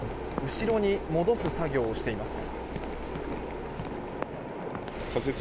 後ろに戻す作業をしています。